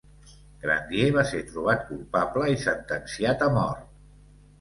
Grandier va ser trobat culpable i sentenciat a mort.